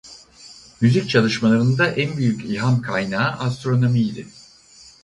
Müzik çalışmalarında en büyük ilham kaynağı astronomiydi.